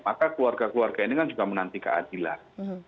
maka keluarga keluarga ini kan juga menanti keadilan